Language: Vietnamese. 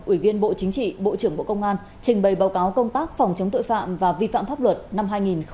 ủy viên bộ chính trị bộ trưởng bộ công an trình bày báo cáo công tác phòng chống tội phạm và vi phạm pháp luật năm hai nghìn hai mươi